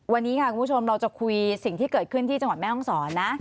วันนี้ค่ะคุณผู้ชมเราจะคุยสิ่งที่เกิดขึ้นที่จังหวัดแม่ห้องศรนะ